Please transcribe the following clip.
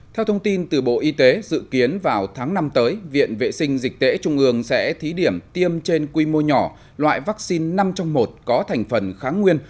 theo thông tin từ bộ y tế dự kiến vào tháng năm tới viện vệ sinh dịch tễ trung ương sẽ thí điểm tiêm trên quy mô nhỏ loại vaccine năm trong một có thành phần kháng nguyên